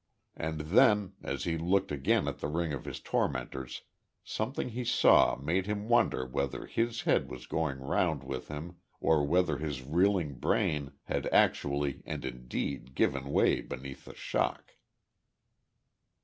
And then, as he looked again at the ring of his tormentors, something he saw made him wonder whether his head was going round with him, or whether his reeling brain had actually and indeed given way beneath the shock.